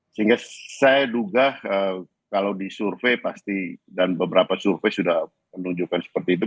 sehingga saya duga kalau disurvey pasti dan beberapa survei sudah menunjukkan seperti itu